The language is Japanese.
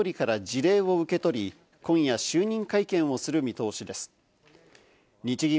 植田氏は今日、岸田総理から辞令を受け取り、今夜就任会見をする見通しです。